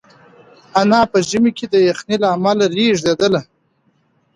انا په ژمي کې د یخنۍ له امله رېږدېدله.